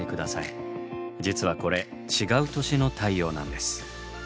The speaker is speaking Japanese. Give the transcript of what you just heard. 実はこれ違う年の太陽なんです。